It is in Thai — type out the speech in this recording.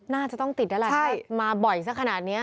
น่าจะต้องติดน่ะแหละถ้ามาบ่อยซะขนาดนี้